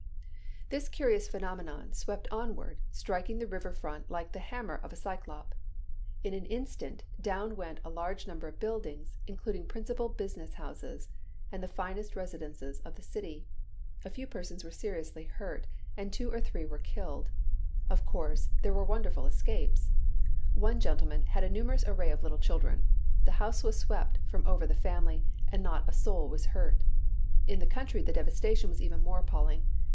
This curious phenomenon swept onward, striking the river front like the hammer of a Cyclop. In an instant, down went a large number of buildings, including principal business houses, and the finest residences of the city. A few persons were seriously hurt, and two or three were killed. Of course, there were wonderful escapes. One gentleman had a numerous array of little children; the house was swept from over the family, and not a soul was hurt. In the country the devastation was even more appalling.